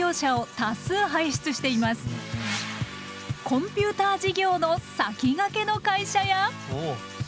コンピューター事業の先駆けの会社や。